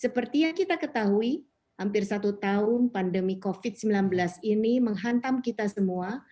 seperti yang kita ketahui hampir satu tahun pandemi covid sembilan belas ini menghantam kita semua